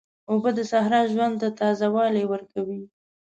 اوبه د صحرا ژوند ته تازه والی ورکوي.